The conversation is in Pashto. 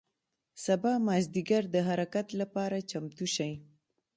سبا مازدیګر د حرکت له پاره چمتو شئ.